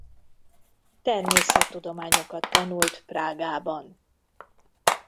Természettudományokat tanult Prágában.